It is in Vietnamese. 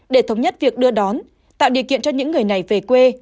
để thống nhất việc đưa đón tạo điều kiện cho những người này về quê